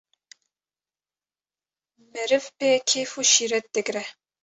meriv pê kêf û şîret digre.